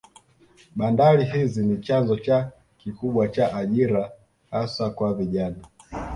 Bandari hizi ni chanzo cha kikubwa cha ajira hasa kwa vijana